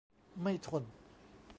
ไม่ทน